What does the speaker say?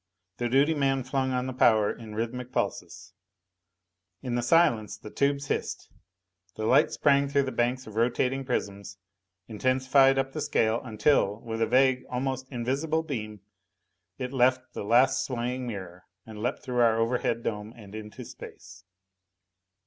The duty man flung on the power in rhythmic pulses. In the silence, the tubes hissed. The light sprang through the banks of rotating prisms, intensified up the scale until, with a vague, almost invisible beam, it left the last swaying mirror and leaped through our overhead dome and into space.